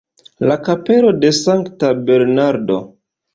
La kapelo de Sankta Bernardo.